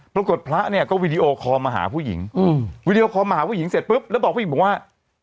ปรากฏพระเนี่ยก็วีดีโอคอลมาหาผู้หญิงวีดีโอคอลมาหาผู้หญิงเสร็จปุ๊บแล้วบอกผู้หญิงบอกว่า